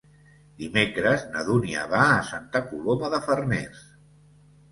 Dimecres na Dúnia va a Santa Coloma de Farners.